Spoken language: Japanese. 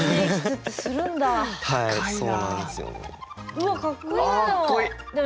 うわかっこいいなでも。